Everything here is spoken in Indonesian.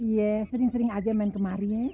iya sering sering aja main kemari